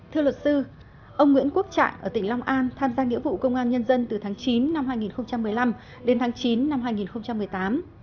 thưa luật sư ông nguyễn quốc trạng ở tỉnh long an tham gia nghĩa vụ công an nhân dân từ tháng chín năm hai nghìn một mươi năm đến tháng chín năm hai nghìn một mươi tám